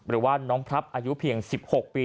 หรือว่าน้องพลับอายุเพียง๑๖ปี